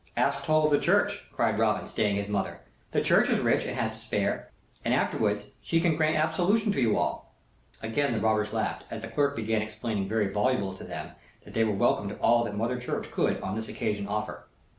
"Ask toll of the Church," cried Robin, staying his mother. "The Church is rich, and has to spare. And afterwards, she can grant absolution to you all." Again the robbers laughed, as the clerk began explaining very volubly to them that they were welcome to all that Mother Church could on this occasion offer.